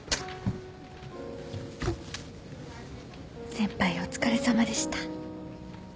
先輩お疲れさまでした。